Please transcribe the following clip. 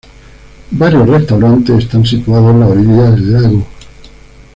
Varios restaurantes están situados en la orilla del lago.